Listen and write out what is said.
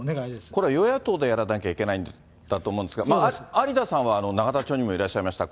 これ、与野党でやらなきゃいけないんだと思いますが、有田さんは永田町にもいらっしゃいました。